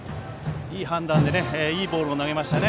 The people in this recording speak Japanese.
いい判断でいいボールを投げましたね。